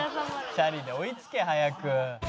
チャリで追いつけ早く。